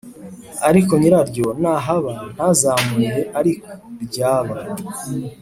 Ariko nyiraryo nahaba ntazamurihe ariko ryaba